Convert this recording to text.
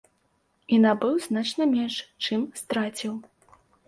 І набыў значна менш, чым страціў.